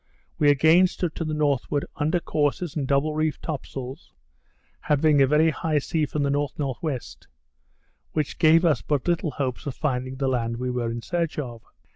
We again stood to the northward, under courses and double reefed top sails, having a very high sea from the N.N.W., which gave us but little hopes of finding the land we were in search of.